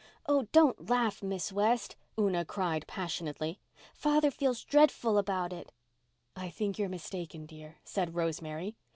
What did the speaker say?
"Oh, don't laugh, Miss West," Una cried passionately. "Father feels dreadful about it." "I think you're mistaken, dear," said Rosemary.